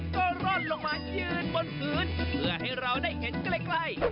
ก็ร่อนลงมายืนบนพื้นเพื่อให้เราได้เห็นใกล้